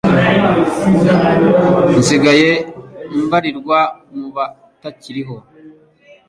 Nsigaye mbarirwa mu batakiriho